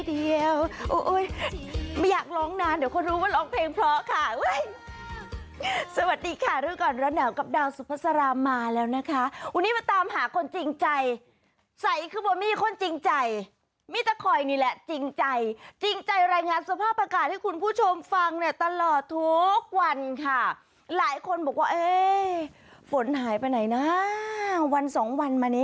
เป็นเป็นสัญญาณหลักหวารักเดียวใจเดียว